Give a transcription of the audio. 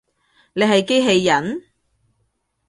你係機器人？